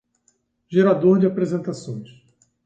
Gerador de apresentações.